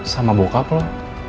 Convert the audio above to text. sama bokap lu